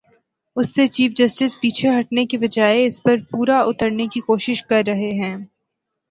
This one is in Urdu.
اس سے چیف جسٹس پیچھے ہٹنے کی بجائے اس پر پورا اترنے کی کوشش کر رہے ہیں۔